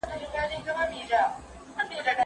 تلویزیونونه نوي معلومات او خبرونه خپروي.